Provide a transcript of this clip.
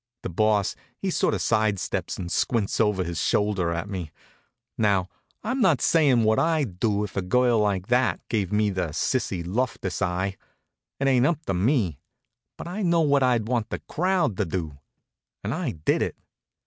The Boss he sort of side steps and squints over his shoulder at me. Now, I'm not sayin' what I'd do if a girl like that gave me the Cissy Loftus eye. It ain't up to me. But I know what I'd want the crowd to do and I did it.